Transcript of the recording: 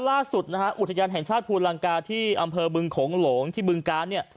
ล่าสุดอุทยานแห่งศาสตร์ภูมิลังกาที่อำเภอบึงขงหลงบึงก้าน